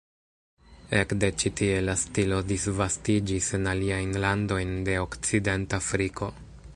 Ekde ĉi tie la stilo disvastiĝis en aliajn landojn de Okcidentafriko.